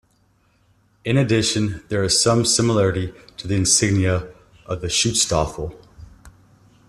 In addition there is some similarity to the insignia of the Schutzstaffel.